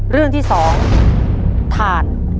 เรื่องที่๒ถ่าน